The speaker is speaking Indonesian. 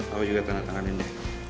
aku juga tanda tanganin ya